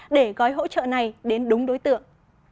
để gói hỗ trợ này đến đúng đối tượng